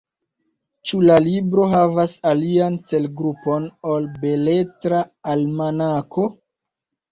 Ĉu la libro havas alian celgrupon ol Beletra Almanako?